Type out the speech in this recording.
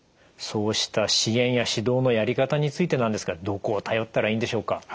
そうした支援や指導のやり方についてなんですがどこを頼ったらいいんでしょうか？